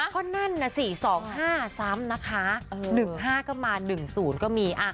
ก็นั่นน่ะสิ๒๕ซ้ำนะคะ๑๕ก็มา๑๐ก็มี